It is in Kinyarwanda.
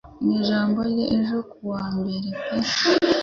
Mu ijambo rye ejo kuwa mbere pe